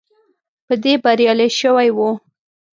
په دې بریالی شوی وو.